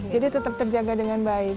jadi tetap terjaga dengan baik